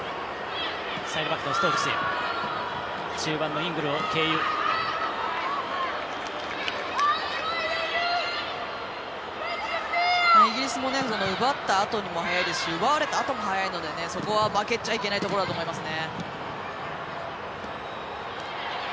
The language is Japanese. イギリスも奪ったあとにも速いので奪われたあとも速いので、そこは負けちゃいけないところだと思いますね。